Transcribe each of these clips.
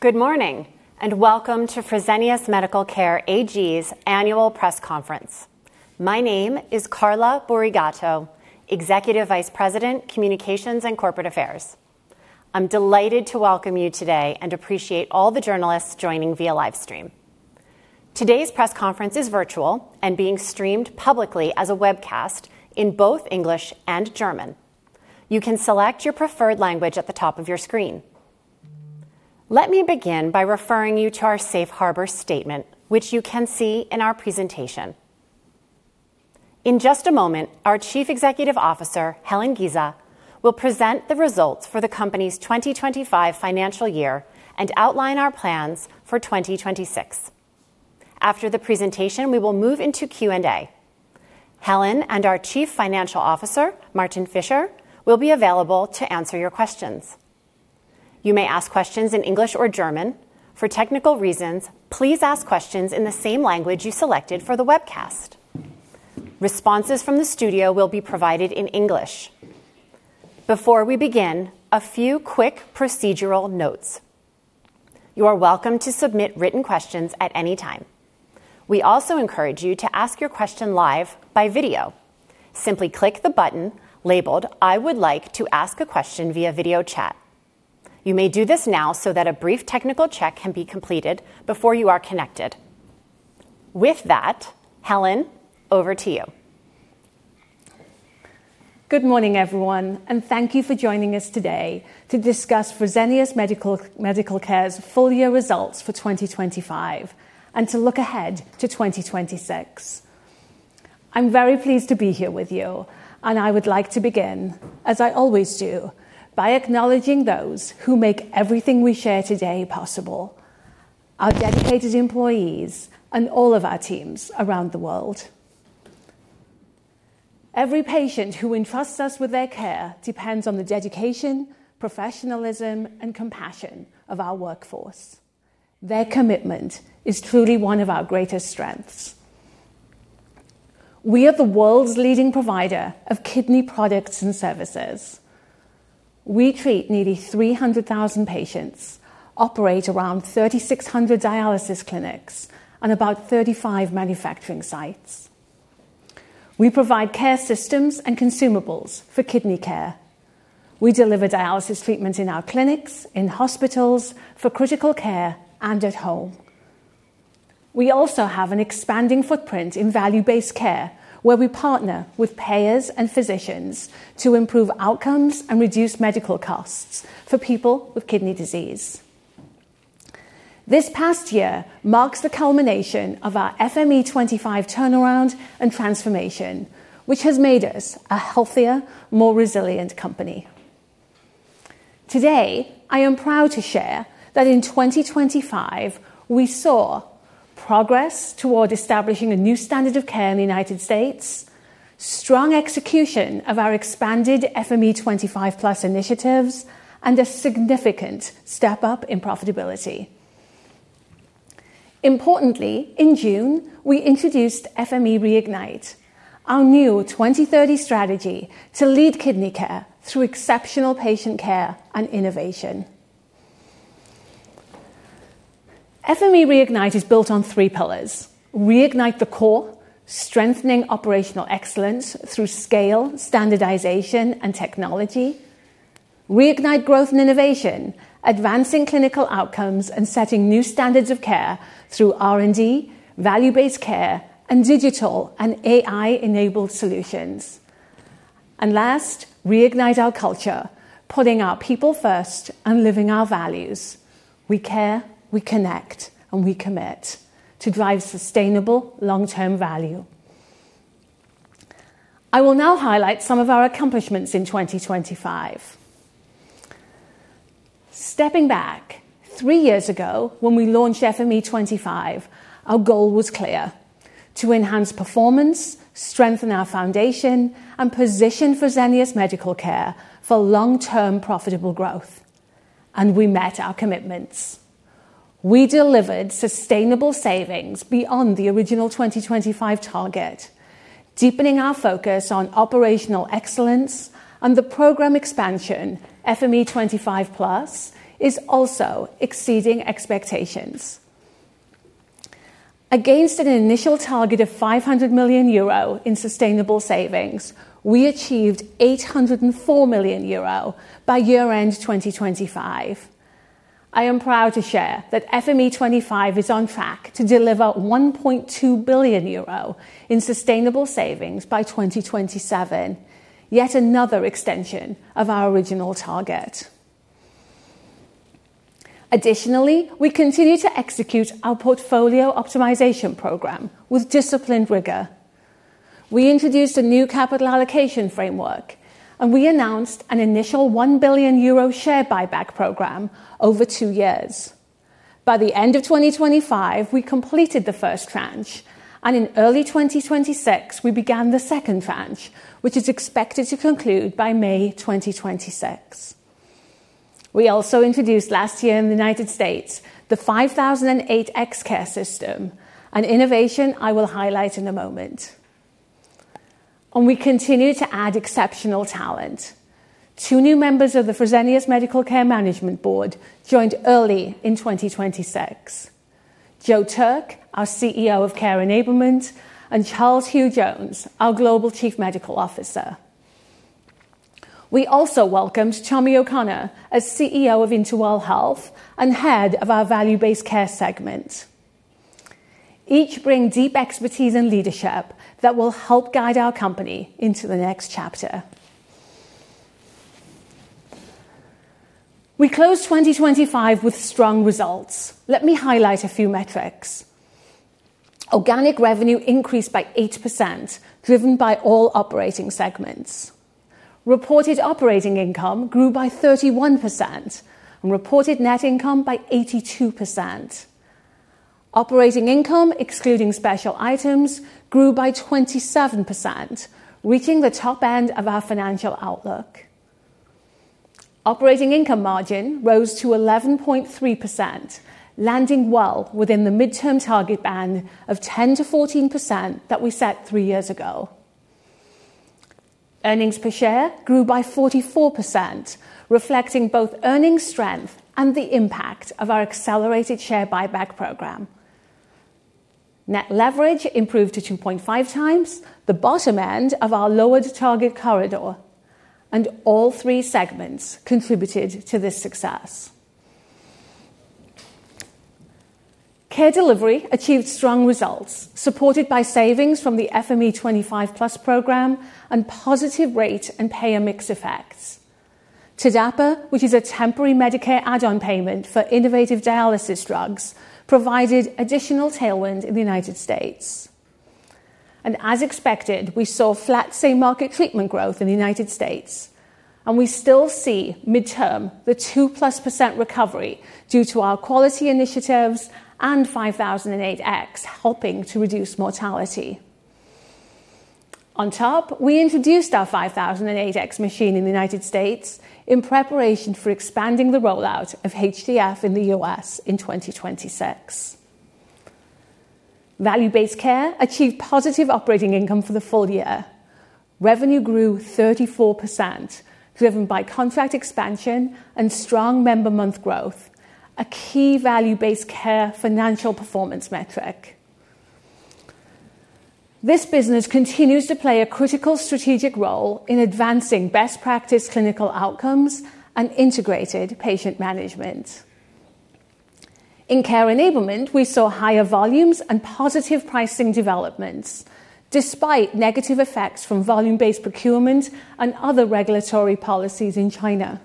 Good morning, and welcome to Fresenius Medical Care AG's Annual Press Conference. My name is Carla Burigatto, Executive Vice President, Communications and Corporate Affairs. I'm delighted to welcome you today and appreciate all the journalists joining via live stream. Today's press conference is virtual and being streamed publicly as a webcast in both English and German. You can select your preferred language at the top of your screen. Let me begin by referring you to our safe harbor statement, which you can see in our presentation. In just a moment, our Chief Executive Officer, Helen Giza, will present the results for the company's 2025 financial year and outline our plans for 2026. After the presentation, we will move into Q&A. Helen and our Chief Financial Officer, Martin Fischer, will be available to answer your questions. You may ask questions in English or German. For technical reasons, please ask questions in the same language you selected for the webcast. Responses from the studio will be provided in English. Before we begin, a few quick procedural notes. You are welcome to submit written questions at any time. We also encourage you to ask your question live by video. Simply click the button labeled, "I would like to ask a question via video chat." You may do this now so that a brief technical check can be completed before you are connected. With that, Helen, over to you. Good morning, everyone, and thank you for joining us today to discuss Fresenius Medical Care's full year results for 2025, and to look ahead to 2026. I'm very pleased to be here with you, and I would like to begin, as I always do, by acknowledging those who make everything we share today possible: our dedicated employees and all of our teams around the world. Every patient who entrusts us with their care depends on the dedication, professionalism, and compassion of our workforce. Their commitment is truly one of our greatest strengths. We are the world's leading provider of kidney products and services. We treat nearly 300,000 patients, operate around 3,600 dialysis clinics, and about 35 manufacturing sites. We provide care systems and consumables for kidney care. We deliver dialysis treatments in our clinics, in hospitals for critical care, and at home. We also have an expanding footprint in value-based care, where we partner with payers and physicians to improve outcomes and reduce medical costs for people with kidney disease. This past year marks the culmination of our FME25 turnaround and transformation, which has made us a healthier, more resilient company. Today, I am proud to share that in 2025, we saw progress toward establishing a new standard of care in the United States, strong execution of our expanded FME25+ initiatives, and a significant step-up in profitability. Importantly, in June, we introduced FME Reignite, our new 2030 strategy to lead kidney care through exceptional patient care and innovation. FME Reignite is built on three pillars: reignite the core, strengthening operational excellence through scale, standardization, and technology. Reignite growth and innovation, advancing clinical outcomes and setting new standards of care through R&D, value-based care, and digital and AI-enabled solutions. Last, reignite our culture, putting our people first and living our values. We care, we connect, and we commit to drive sustainable long-term value. I will now highlight some of our accomplishments in 2025. Stepping back, three years ago, when we launched FME25, our goal was clear: to enhance performance, strengthen our foundation, and position Fresenius Medical Care for long-term profitable growth, and we met our commitments. We delivered sustainable savings beyond the original 2025 target, deepening our focus on operational excellence and the program expansion, FME25+, is also exceeding expectations. Against an initial target of 500 million euro in sustainable savings, we achieved 804 million euro by year-end 2025. I am proud to share that FME25 is on track to deliver 1.2 billion euro in sustainable savings by 2027, yet another extension of our original target. Additionally, we continue to execute our portfolio optimization program with disciplined rigor. We introduced a new capital allocation framework, and we announced an initial 1 billion euro share buyback program over two years. By the end of 2025, we completed the first tranche, and in early 2026, we began the second tranche, which is expected to conclude by May 2026. We also introduced last year in the United States, the 5008X CAREsystem, an innovation I will highlight in a moment. We continue to add exceptional talent. Two new members of the Fresenius Medical Care Management Board joined early in 2026. Joe Turk, our CEO of Care Enablement, and Charles Hugh-Jones, our Global Chief Medical Officer. We also welcomed Tommy O'Connor as CEO of Interwell Health and head of our value-based care segment. Each bring deep expertise and leadership that will help guide our company into the next chapter. We closed 2025 with strong results. Let me highlight a few metrics. Organic revenue increased by 8%, driven by all operating segments. Reported operating income grew by 31% and reported net income by 82%. Operating income, excluding special items, grew by 27%, reaching the top end of our financial outlook. Operating income margin rose to 11.3%, landing well within the midterm target band of 10%-14% that we set three years ago. Earnings per share grew by 44%, reflecting both earnings strength and the impact of our accelerated share buyback program. Net leverage improved to 2.5x, the bottom end of our lowered target corridor. All three segments contributed to this success. Care delivery achieved strong results, supported by savings from the FME25+ program and positive rate and payer mix effects. TDAPA, which is a temporary Medicare Add-on Payment for innovative dialysis drugs, provided additional tailwind in the U.S. As expected, we saw flat same-market treatment growth in the U.S. We still see midterm, the 2%+ recovery due to our quality initiatives and 5008X helping to reduce mortality. On top, we introduced our 5008X machine in the United States in preparation for expanding the rollout of HDF in the U.S. in 2026. Value-based care achieved positive operating income for the full year. Revenue grew 34%, driven by contract expansion and strong member months growth, a key value-based care financial performance metric. This business continues to play a critical strategic role in advancing best practice clinical outcomes and integrated patient management. In care enablement, we saw higher volumes and positive pricing developments, despite negative effects from volume-based procurement and other regulatory policies in China.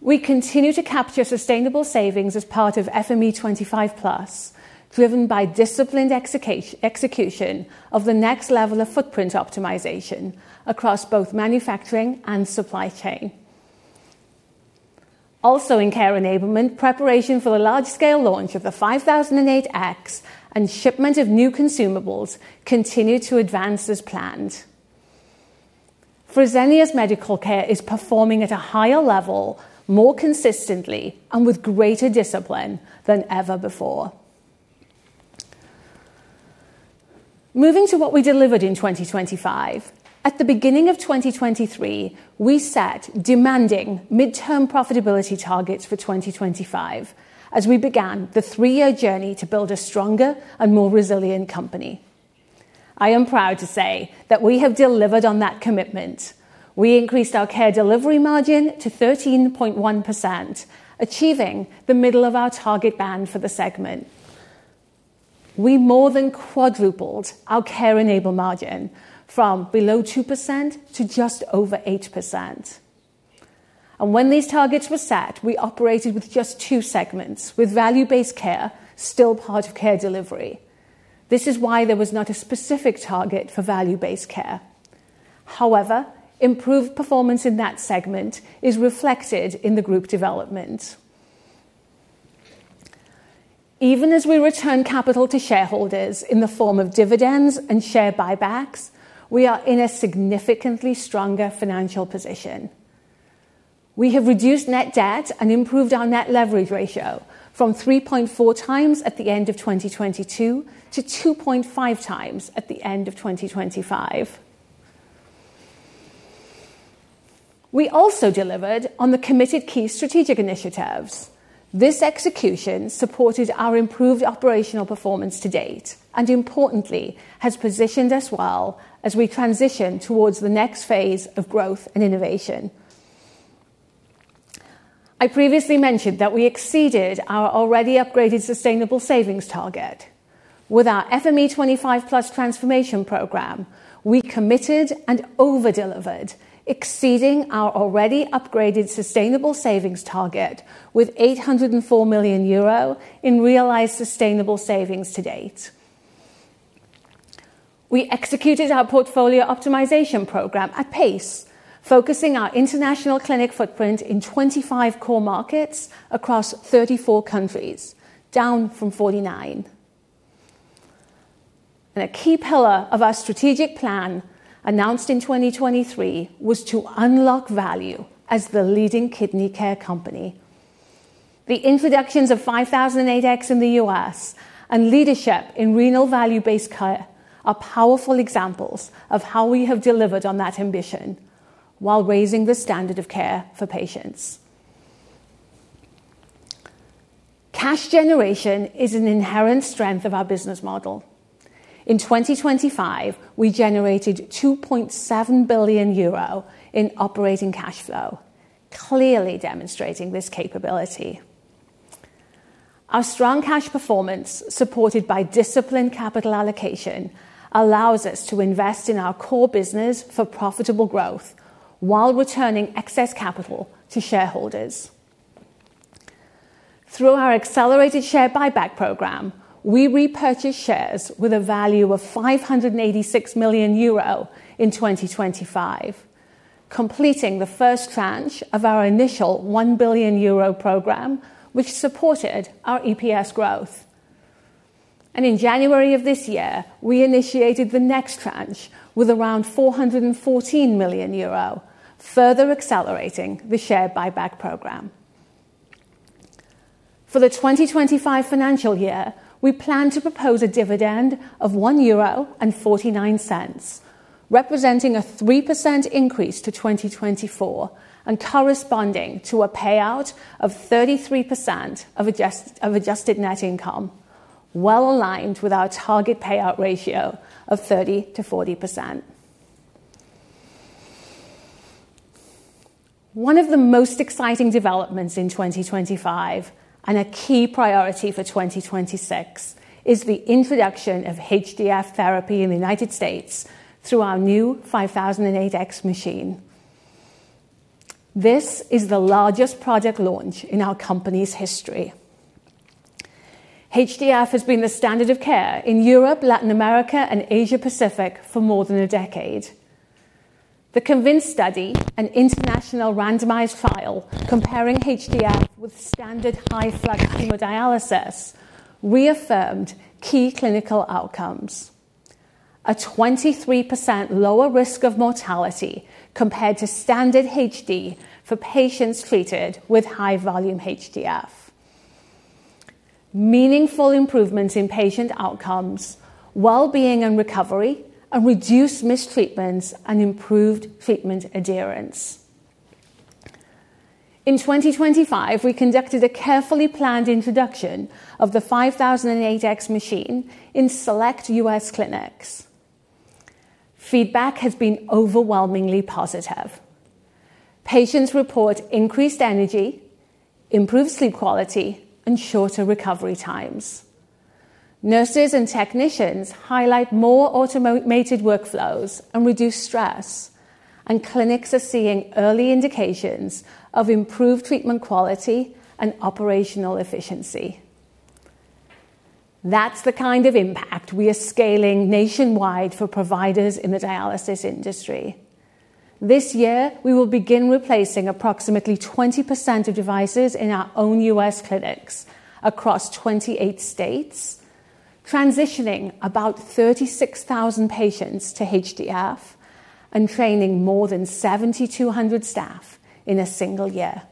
We continue to capture sustainable savings as part of FME25+, driven by disciplined execution of the next level of footprint optimization across both manufacturing and supply chain. In care enablement, preparation for the large-scale launch of the 5008X and shipment of new consumables continued to advance as planned. Fresenius Medical Care is performing at a higher level, more consistently, and with greater discipline than ever before. Moving to what we delivered in 2025. At the beginning of 2023, we set demanding midterm profitability targets for 2025 as we began the three-year journey to build a stronger and more resilient company. I am proud to say that we have delivered on that commitment. We increased our care delivery margin to 13.1%, achieving the middle of our target band for the segment. We more than quadrupled our care enable margin from below 2% to just over 8%. When these targets were set, we operated with just two segments, with value-based care still part of care delivery. This is why there was not a specific target for value-based care. However, improved performance in that segment is reflected in the group development. Even as we return capital to shareholders in the form of dividends and share buybacks, we are in a significantly stronger financial position. We have reduced net debt and improved our net leverage ratio from 3.4x at the end of 2022 to 2.5x at the end of 2025. We also delivered on the committed key strategic initiatives. This execution supported our improved operational performance to date, and importantly, has positioned us well as we transition towards the next phase of growth and innovation. I previously mentioned that we exceeded our already upgraded sustainable savings target. With our FME25+ transformation program, we committed and over-delivered, exceeding our already upgraded sustainable savings target with 804 million euro in realized sustainable savings to date. We executed our portfolio optimization program at pace, focusing our international clinic footprint in 25 core markets across 34 countries, down from 49. A key pillar of our strategic plan, announced in 2023, was to unlock value as the leading kidney care company. The introductions of 5008X in the U.S. and leadership in renal value-based care are powerful examples of how we have delivered on that ambition, while raising the standard of care for patients. Cash generation is an inherent strength of our business model. In 2025, we generated 2.7 billion euro in operating cash flow, clearly demonstrating this capability. Our strong cash performance, supported by disciplined capital allocation, allows us to invest in our core business for profitable growth while returning excess capital to shareholders. Through our accelerated share buyback program, we repurchased shares with a value of 586 million euro in 2025, completing the first tranche of our initial 1 billion euro program, which supported our EPS growth. In January of this year, we initiated the next tranche with around 414 million euro, further accelerating the share buyback program. For the 2025 financial year, we plan to propose a dividend of 1.49 euro, representing a 3% increase to 2024 and corresponding to a payout of 33% of adjusted net income, well aligned with our target payout ratio of 30%-40%. One of the most exciting developments in 2025, and a key priority for 2026, is the introduction of HDF therapy in the United States through our new 5008X machine. This is the largest product launch in our company's history. HDF has been the standard of care in Europe, Latin America, and Asia Pacific for more than a decade. The CONVINCE study, an international randomized trial comparing HDF with standard high-flux hemodialysis, reaffirmed key clinical outcomes. A 23% lower risk of mortality compared to standard HD for patients treated with high volume HDF. Meaningful improvements in patient outcomes, well-being and recovery, and reduced mistreatments and improved treatment adherence. In 2025, we conducted a carefully planned introduction of the 5008X machine in select U.S. clinics. Feedback has been overwhelmingly positive. Patients report increased energy, improved sleep quality, and shorter recovery times. Nurses and technicians highlight more automated workflows and reduced stress. Clinics are seeing early indications of improved treatment quality and operational efficiency. That's the kind of impact we are scaling nationwide for providers in the dialysis industry. This year, we will begin replacing approximately 20% of devices in our own U.S. clinics across 28 states, transitioning about 36,000 patients to HDF and training more than 7,200 staff in a single year.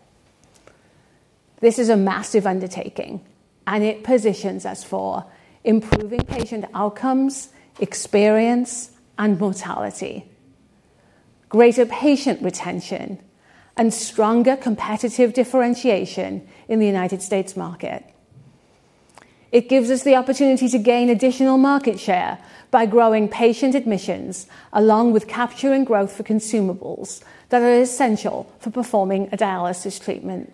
This is a massive undertaking. It positions us for improving patient outcomes, experience, and mortality, greater patient retention, and stronger competitive differentiation in the United States market. It gives us the opportunity to gain additional market share by growing patient admissions, along with capturing growth for consumables that are essential for performing a dialysis treatment.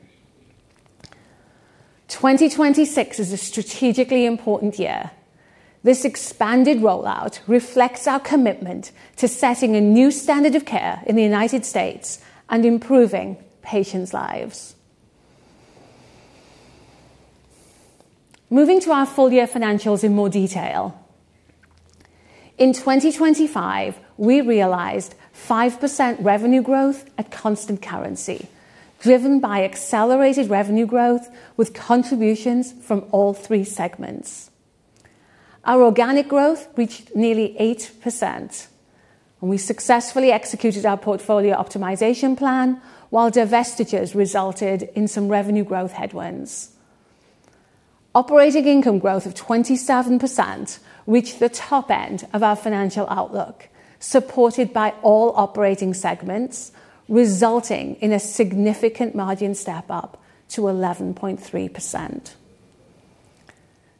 2026 is a strategically important year. This expanded rollout reflects our commitment to setting a new standard of care in the United States and improving patients' lives. Moving to our full year financials in more detail. In 2025, we realized 5% revenue growth at constant currency, driven by accelerated revenue growth with contributions from all three segments. Our organic growth reached nearly 8%, and we successfully executed our portfolio optimization plan, while divestitures resulted in some revenue growth headwinds. Operating income growth of 27% reached the top end of our financial outlook, supported by all operating segments, resulting in a significant margin step up to 11.3%.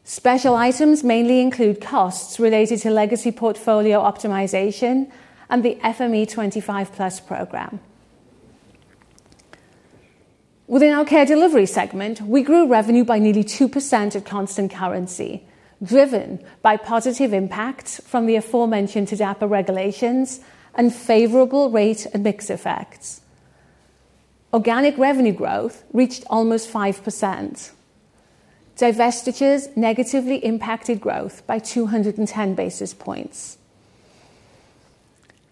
Special items mainly include costs related to legacy portfolio optimization and the FME25+ program. Within our care delivery segment, we grew revenue by nearly 2% at constant currency, driven by positive impact from the aforementioned TDAPA regulations and favorable rate and mix effects. Organic revenue growth reached almost 5%. Divestitures negatively impacted growth by 210 basis points.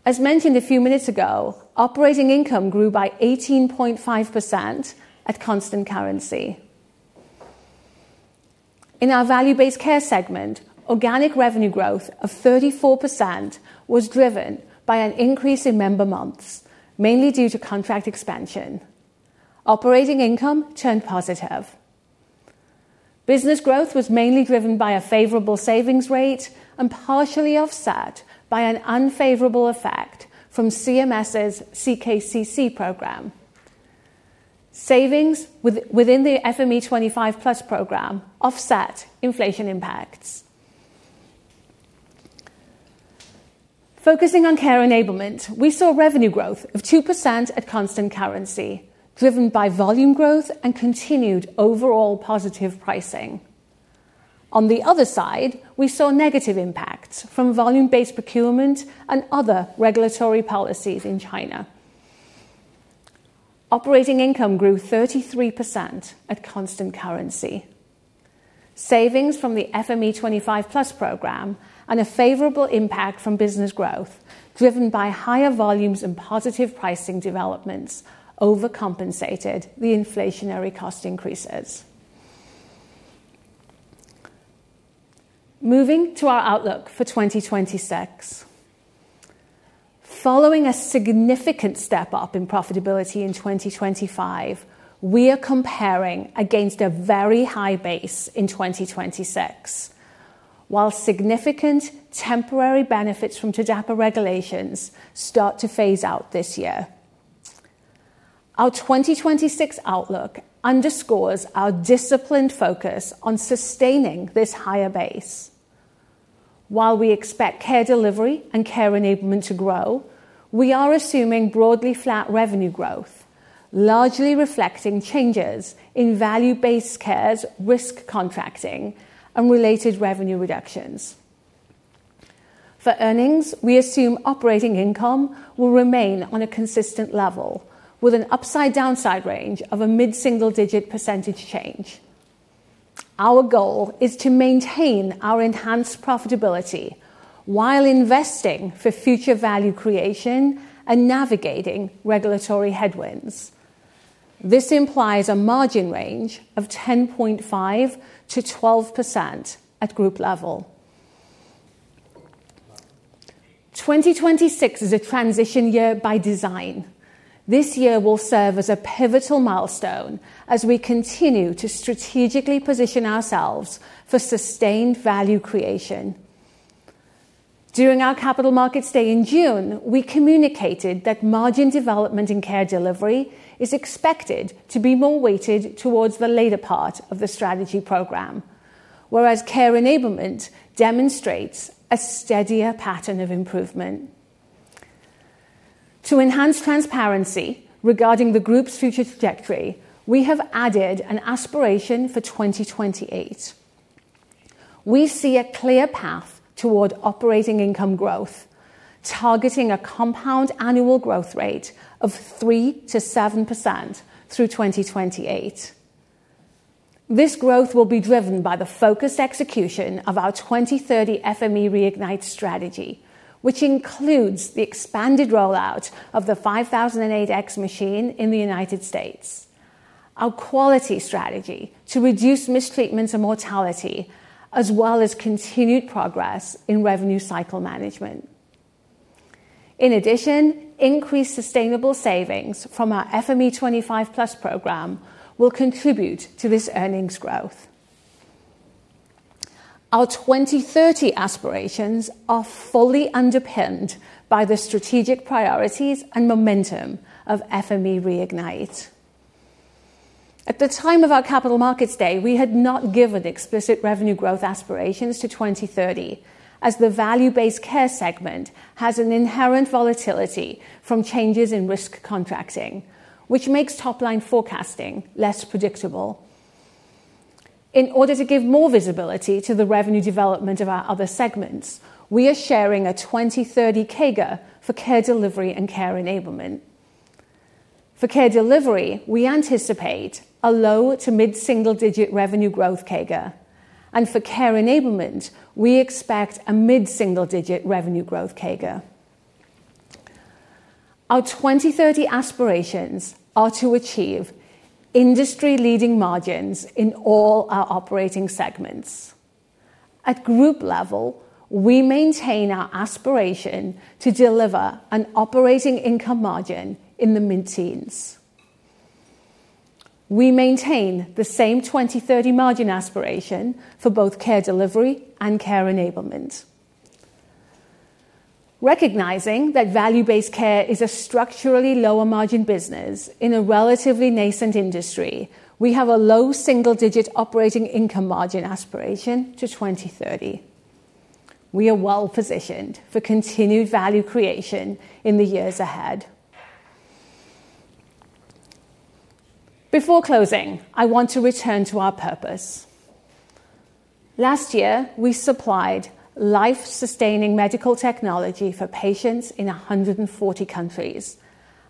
As mentioned a few minutes ago, operating income grew by 18.5% at constant currency. In our value-based care segment, organic revenue growth of 34% was driven by an increase in member months, mainly due to contract expansion. Operating income turned positive. Business growth was mainly driven by a favorable savings rate and partially offset by an unfavorable effect from CMS' CKCC program. Savings within the FME25+ program offset inflation impacts. Focusing on care enablement, we saw revenue growth of 2% at constant currency, driven by volume growth and continued overall positive pricing. On the other side, we saw negative impacts from volume-based procurement and other regulatory policies in China. Operating income grew 33% at constant currency. Savings from the FME25+ program and a favorable impact from business growth, driven by higher volumes and positive pricing developments, overcompensated the inflationary cost increases. Moving to our outlook for 2026. Following a significant step-up in profitability in 2025, we are comparing against a very high base in 2026, while significant temporary benefits from TDAPA regulations start to phase out this year. Our 2026 outlook underscores our disciplined focus on sustaining this higher base. While we expect care delivery and care enablement to grow, we are assuming broadly flat revenue growth, largely reflecting changes in value-based care's risk contracting and related revenue reductions. For earnings, we assume operating income will remain on a consistent level, with an upside/downside range of a mid-single-digit percentage change. Our goal is to maintain our enhanced profitability while investing for future value creation and navigating regulatory headwinds. This implies a margin range of 10.5%-12% at group level. 2026 is a transition year by design. This year will serve as a pivotal milestone as we continue to strategically position ourselves for sustained value creation. During our Capital Markets Day in June, we communicated that margin development in care delivery is expected to be more weighted towards the later part of the strategy program, whereas care enablement demonstrates a steadier pattern of improvement. To enhance transparency regarding the group's future trajectory, we have added an aspiration for 2028. We see a clear path toward operating income growth, targeting a compound annual growth rate of 3%-7% through 2028. This growth will be driven by the focused execution of our 2030 FME Reignite strategy, which includes the expanded rollout of the 5008X machine in the U.S., our quality strategy to reduce mistreatment and mortality, as well as continued progress in revenue cycle management. Increased sustainable savings from our FME25+ program will contribute to this earnings growth. Our 2030 aspirations are fully underpinned by the strategic priorities and momentum of FME Reignite. At the time of our Capital Markets Day, we had not given explicit revenue growth aspirations to 2030, as the value-based care segment has an inherent volatility from changes in risk contracting, which makes top-line forecasting less predictable. In order to give more visibility to the revenue development of our other segments, we are sharing a 2030 CAGR for care delivery and care enablement. For care delivery, we anticipate a low to mid-single-digit revenue growth CAGR, and for care enablement, we expect a mid-single-digit revenue growth CAGR. Our 2030 aspirations are to achieve industry-leading margins in all our operating segments. At group level, we maintain our aspiration to deliver an operating income margin in the mid-teens. We maintain the same 2030 margin aspiration for both care delivery and care enablement. Recognizing that value-based care is a structurally lower margin business in a relatively nascent industry, we have a low single-digit operating income margin aspiration to 2030. We are well positioned for continued value creation in the years ahead. Before closing, I want to return to our purpose. Last year, we supplied life-sustaining medical technology for patients in 140 countries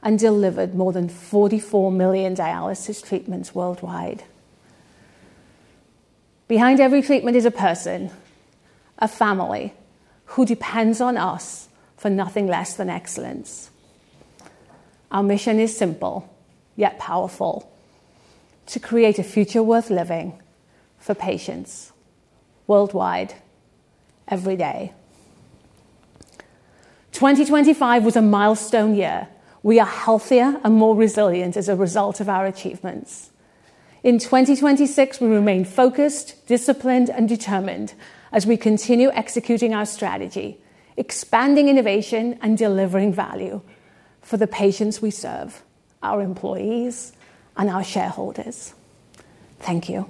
and delivered more than 44 million dialysis treatments worldwide. Behind every treatment is a person, a family, who depends on us for nothing less than excellence. Our mission is simple, yet powerful: to create a future worth living for patients worldwide, every day. 2025 was a milestone year. We are healthier and more resilient as a result of our achievements. In 2026, we remain focused, disciplined, and determined as we continue executing our strategy, expanding innovation, and delivering value for the patients we serve, our employees, and our shareholders. Thank you.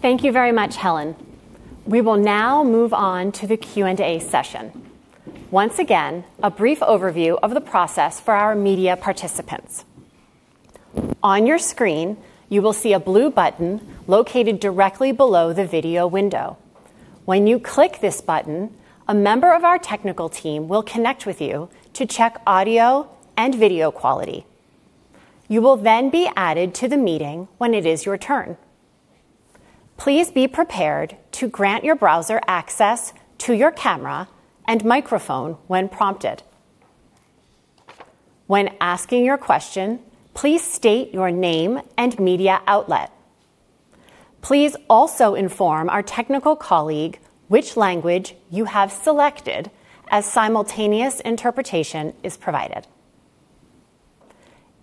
Thank you very much, Helen. We will now move on to the Q&A session. Once again, a brief overview of the process for our media participants. On your screen, you will see a blue button located directly below the video window. When you click this button, a member of our technical team will connect with you to check audio and video quality. You will then be added to the meeting when it is your turn. Please be prepared to grant your browser access to your camera and microphone when prompted. When asking your question, please state your name and media outlet. Please also inform our technical colleague which language you have selected, as simultaneous interpretation is provided.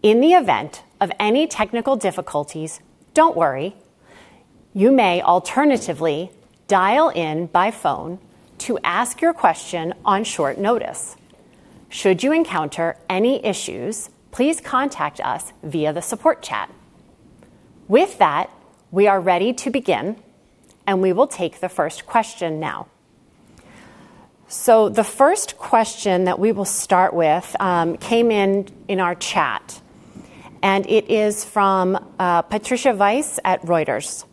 In the event of any technical difficulties, don't worry. You may alternatively dial in by phone to ask your question on short notice. Should you encounter any issues, please contact us via the support chat. With that, we are ready to begin. We will take the first question now. The first question that we will start with, came in in our chat. It is from Patricia Weiss at Reuters.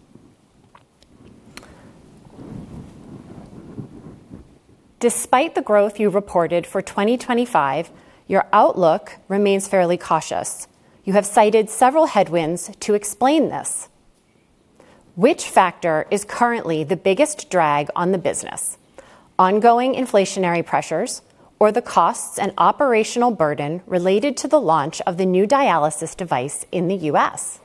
Despite the growth you reported for 2025, your outlook remains fairly cautious. You have cited several headwinds to explain this. Which factor is currently the biggest drag on the business: ongoing inflationary pressures or the costs and operational burden related to the launch of the new dialysis device in the U.S.?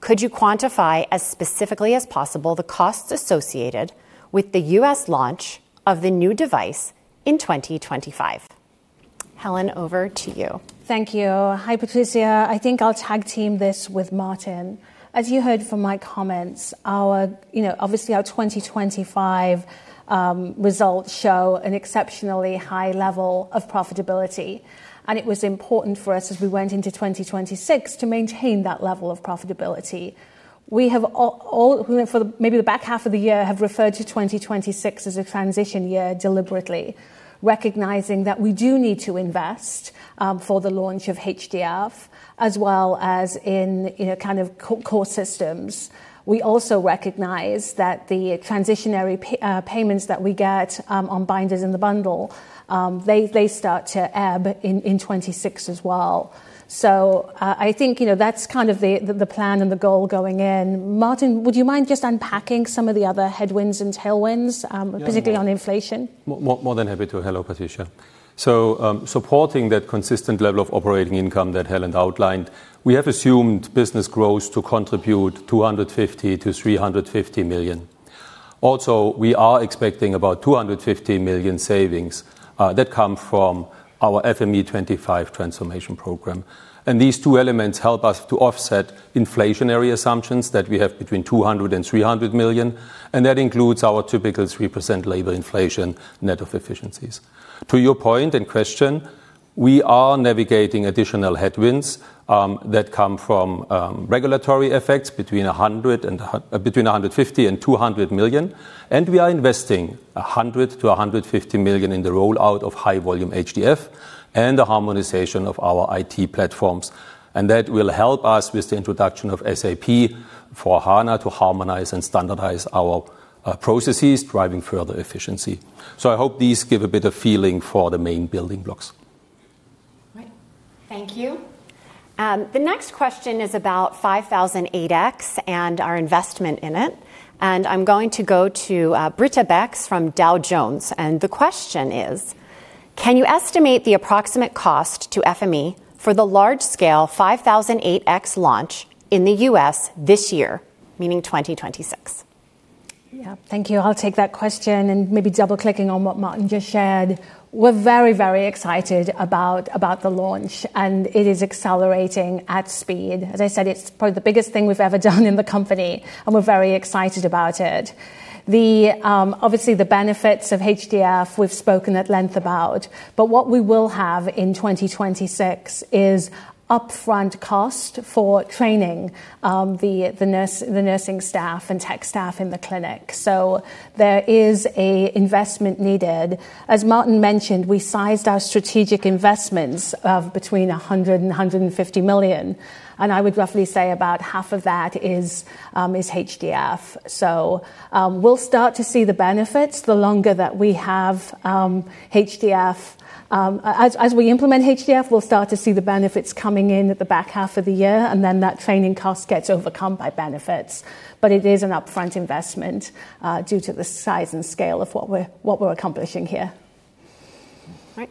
Could you quantify, as specifically as possible, the costs associated with the U.S. launch of the new device in 2025? Helen, over to you. Thank you. Hi, Patricia. I think I'll tag-team this with Martin. As you heard from my comments, our, you know, obviously, our 2025 results show an exceptionally high level of profitability, and it was important for us as we went into 2026 to maintain that level of profitability. For maybe the back half of the year, have referred to 2026 as a transition year deliberately, recognizing that we do need to invest for the launch of HDF, as well as in, you know, kind of core systems. We also recognize that the transitionary payments that we get on binders in the bundle, they start to ebb in 2026 as well. I think, you know, that's kind of the plan and the goal going in. Martin, would you mind just unpacking some of the other headwinds and tailwinds? Yeah. Particularly on inflation? More than happy to. Hello, Patricia. Supporting that consistent level of operating income that Helen outlined, we have assumed business growth to contribute 250 million-350 million. We are expecting about 250 million savings that come from our FME25 transformation program. These two elements help us to offset inflationary assumptions that we have between 200 million and 300 million, and that includes our typical 3% labor inflation net of efficiencies. To your point and question, we are navigating additional headwinds that come from regulatory effects, between 150 million and 200 million, and we are investing 100 million-150 million in the rollout of high-volume HDF and the harmonization of our IT platforms. That will help us with the introduction of SAP S/4HANA to harmonize and standardize our processes, driving further efficiency. I hope these give a better feeling for the main building blocks. Right. Thank you. The next question is about 5008X and our investment in it, and I'm going to go to Britta Becks from Dow Jones. The question is: Can you estimate the approximate cost to FME for the large-scale 5008X launch in the U.S. this year, meaning 2026? Yeah. Thank you. I'll take that question, and maybe double-clicking on what Martin just shared. We're very excited about the launch, and it is accelerating at speed. As I said, it's probably the biggest thing we've ever done in the company, and we're very excited about it. The obviously, the benefits of HDF, we've spoken at length about, but what we will have in 2026 is upfront cost for training, the nursing staff and tech staff in the clinic. There is a investment needed. As Martin mentioned, we sized our strategic investments of between 100 million and 150 million, and I would roughly say about half of that is HDF. We'll start to see the benefits the longer that we have, HDF. As we implement HDF, we'll start to see the benefits coming in at the back half of the year. That training cost gets overcome by benefits. It is an upfront investment due to the size and scale of what we're accomplishing here. All right.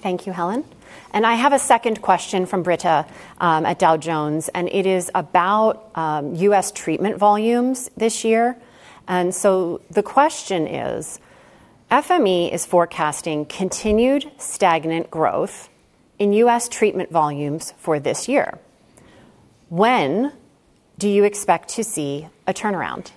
Thank you, Helen. I have a second question from Britta, at Dow Jones, it is about U.S. treatment volumes this year. The question is: FME is forecasting continued stagnant growth in U.S. treatment volumes for this year. When do you expect to see a turnaround?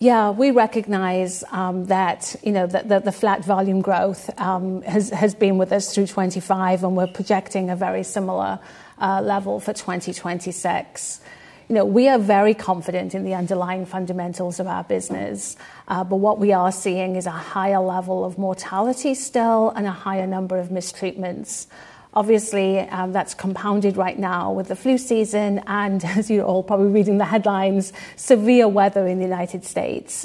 Yeah, we recognize, that, you know, the flat volume growth has been with us through 2025, and we're projecting a very similar level for 2026. You know, we are very confident in the underlying fundamentals of our business, but what we are seeing is a higher level of mortality still and a higher number of mistreatments. Obviously, that's compounded right now with the flu season and, as you're all probably reading the headlines, severe weather in the United States.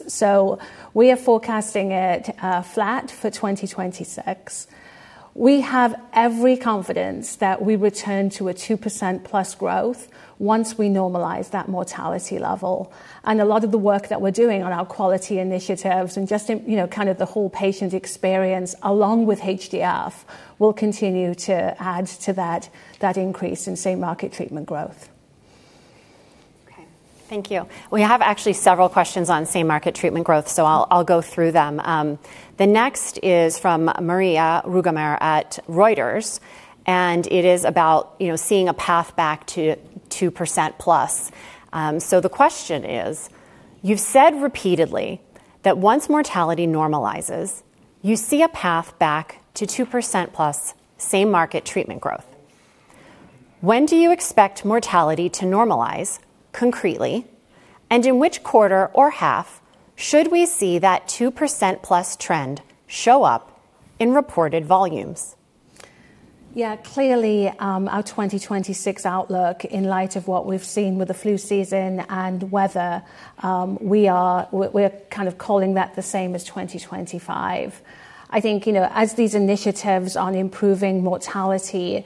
We are forecasting it flat for 2026. We have every confidence that we return to a 2%+ growth once we normalize that mortality level. A lot of the work that we're doing on our quality initiatives and just you know, kind of the whole patient experience, along with HDF, will continue to add to that increase in same-market treatment growth. Okay. Thank you. We have actually several questions on same-market treatment growth, I'll go through them. The next is from Maria Rugamer at Reuters, it is about, you know, seeing a path back to 2%+. The question is: You've said repeatedly that once mortality normalizes, you see a path back to 2%+ same-market treatment growth. When do you expect mortality to normalize concretely, and in which quarter or half should we see that 2%+ trend show up in reported volumes? Clearly, our 2026 outlook, in light of what we've seen with the flu season and weather, we're kind of calling that the same as 2025. I think, you know, as these initiatives on improving mortality,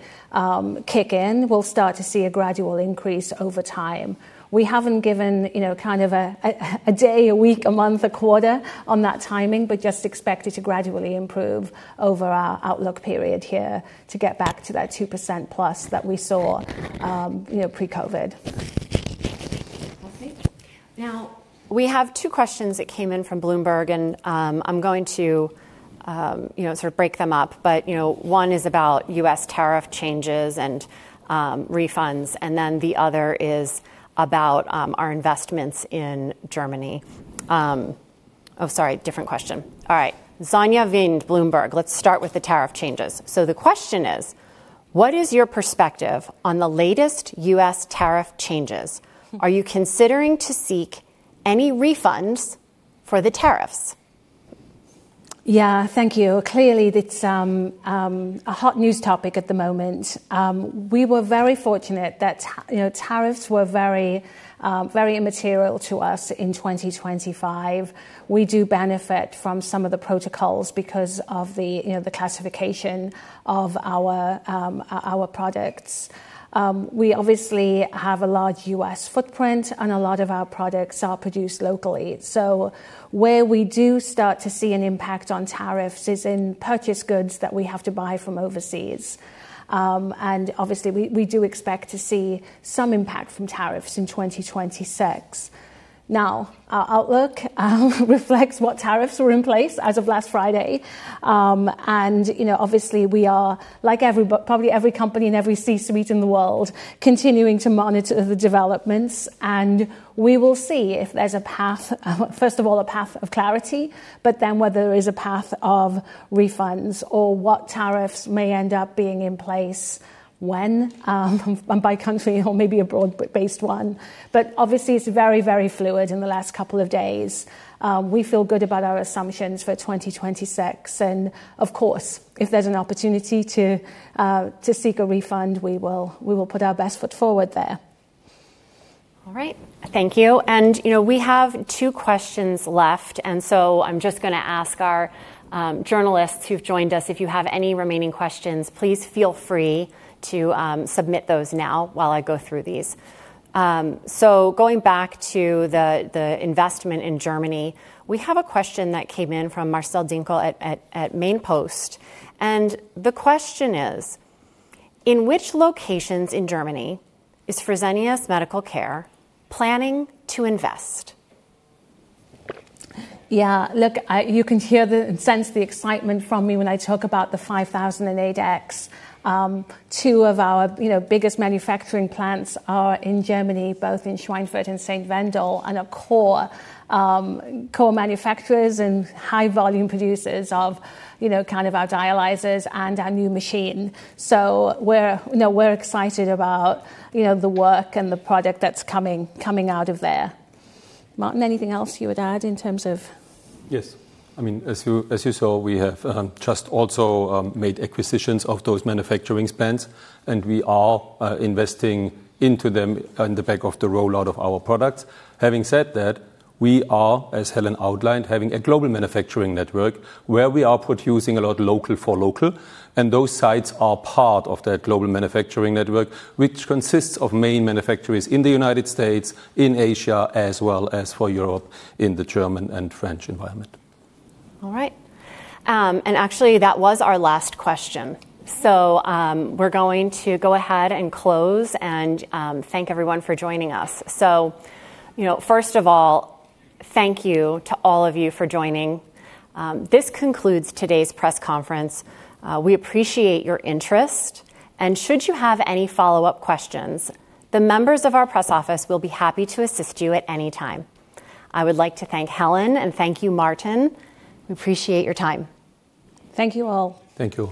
kick in, we'll start to see a gradual increase over time. We haven't given, you know, kind of a, a day, a week, a month, a quarter on that timing, but just expect it to gradually improve over our outlook period here to get back to that 2%+ that we saw, you know, pre-COVID. Okay. Now, we have two questions that came in from Bloomberg, and I'm going to, you know, sort of break them up. You know, one is about U.S. tariff changes and refunds, and then the other is about our investments in Germany. Oh, sorry, different question. All right. Sonja Wind, Bloomberg. Let's start with the tariff changes. The question is: What is your perspective on the latest U.S. tariff changes? Are you considering to seek any refunds for the tariffs? Yeah. Thank you. Clearly, it's a hot news topic at the moment. We were very fortunate that you know, tariffs were very immaterial to us in 2025. We do benefit from some of the protocols because of the, you know, the classification of our products. We obviously have a large U.S. footprint, and a lot of our products are produced locally. Where we do start to see an impact on tariffs is in purchased goods that we have to buy from overseas. Obviously, we do expect to see some impact from tariffs in 2026. Our outlook reflects what tariffs were in place as of last Friday. You know, obviously, we are, like probably every company and every C-suite in the world, continuing to monitor the developments, and we will see if there's a path, first of all, a path of clarity, but then whether there is a path of refunds or what tariffs may end up being in place when, and by country or maybe a broad based one. Obviously, it's very, very fluid in the last couple of days. We feel good about our assumptions for 2026, and of course, if there's an opportunity to seek a refund, we will put our best foot forward there. All right. Thank you. You know, we have two questions left, I'm just gonna ask our journalists who've joined us, if you have any remaining questions, please feel free to submit those now while I go through these. Going back to the investment in Germany, we have a question that came in from Marcel Dinkel at Main-Post, the question is: In which locations in Germany is Fresenius Medical Care planning to invest? You can hear the, and sense the excitement from me when I talk about the 5008X. Two of our, you know, biggest manufacturing plants are in Germany, both in Schweinfurt and Sindelfingen, and are core manufacturers and high-volume producers of, you know, kind of our Dialyzers and our new machine. We're, you know, we're excited about, you know, the work and the product that's coming out of there. Martin, anything else you would add in terms of... Yes. I mean, as you saw, we have just also made acquisitions of those manufacturing plants. We are investing into them on the back of the rollout of our products. Having said that, we are, as Helen outlined, having a global manufacturing network, where we are producing a lot local for local. Those sites are part of that global manufacturing network, which consists of main manufacturers in the United States, in Asia, as well as for Europe, in the German and French environment. All right. Actually, that was our last question. We're going to go ahead and close and thank everyone for joining us. You know, first of all, thank you to all of you for joining. This concludes today's press conference. We appreciate your interest, and should you have any follow-up questions, the members of our press office will be happy to assist you at any time. I would like to thank Helen, and thank you, Martin. We appreciate your time. Thank you all. Thank you.